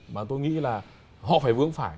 mà tôi nghĩ là họ phải vướng phải